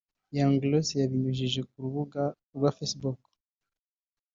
Young Grace yabinyujije ku rubuga rwa facebook